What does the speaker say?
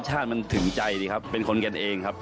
ชาติมันถึงใจดีครับเป็นคนกันเองครับ